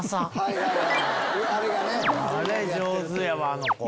上手やわあの子。